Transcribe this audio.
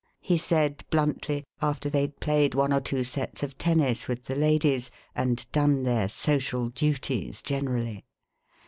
he said bluntly, after they'd played one or two sets of tennis with the ladies and done their "social duties" generally.